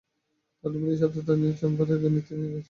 তার ডুবুরি সাথী তাকে টেনে চেম্বার তিনে নিয়ে গিয়েছিল।